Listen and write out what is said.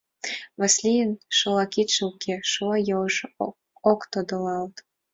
Васлийын шола кидше уке, шола йолжо ок тодылалт.